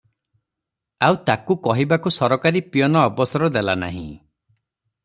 ଆଉ ତାକୁ କହିବାକୁ ସରକାରୀ ପିଅନ ଅବସର ଦେଲା ନାହିଁ ।